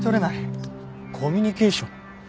コミュニケーション？